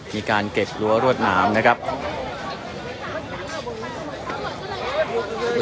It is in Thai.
มีการเก็บล้วนรวดน้ำนะครับ